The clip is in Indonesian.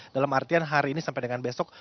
dalam artian hari ini sampai dengan besok